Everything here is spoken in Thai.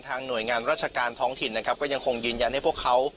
ทางหน่วยงานราชการท้องถิ่นยังคงยืนยันให้พวกเขา